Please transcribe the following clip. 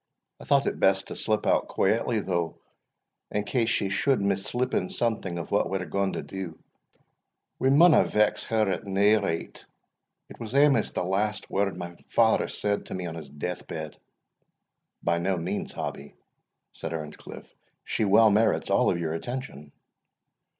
I thought it best to slip out quietly though, in case she should mislippen something of what we're gaun to do we maunna vex her at nae rate it was amaist the last word my father said to me on his deathbed." "By no means, Hobbie," said Earnscliff; "she well merits all your attention."